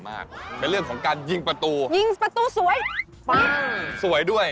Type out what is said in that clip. รักสวยด้วยวืดด้วย